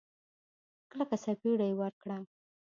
کلکه سپېړه يې ورکړه.